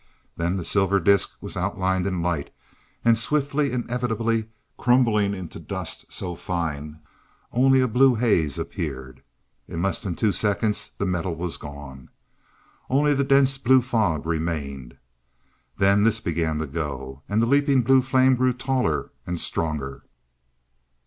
Then the silver disc was outlined in light, and swiftly, inevitably crumbling into dust so fine only a blue haze appeared. In less than two seconds, the metal was gone. Only the dense blue fog remained. Then this began to go, and the leaping blue flame grew taller, and stronger.